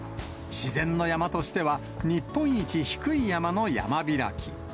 自然の山としては日本一低い山の山開き。